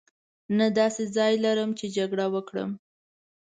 نه داسې ځای لرم چې جګړه وکړم.